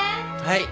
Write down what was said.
はい。